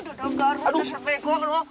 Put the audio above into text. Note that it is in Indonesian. aduh udah garu udah sepeko